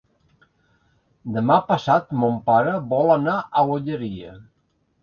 Demà passat mon pare vol anar a l'Olleria.